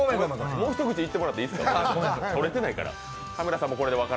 もう一口いってもらっていいですか？